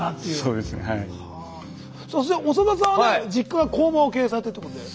そして長田さんはね実家が工場を経営されてるってことで。